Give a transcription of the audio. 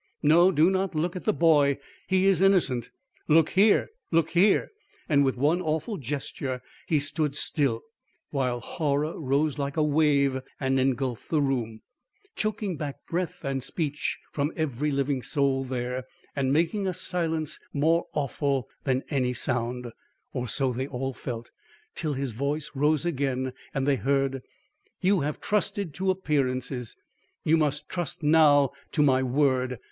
No, do not look at the boy. He is innocent! Look here! look here!'" And with one awful gesture, he stood still, while horror rose like a wave and engulfed the room choking back breath and speech from every living soul there, and making a silence more awful than any sound or so they all felt, till his voice rose again and they heard "You have trusted to appearances; you must trust now to my word.